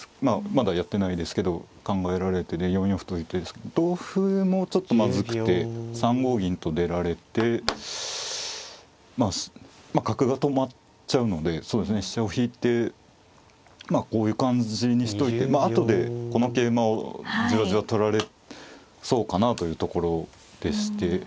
まだやってないですけど考えられてね４四歩という手ですけど同歩もちょっとまずくて３五銀と出られてまあ角が止まっちゃうので飛車を引いてこういう感じにしといて後でこの桂馬をじわじわ取られそうかなというところでして。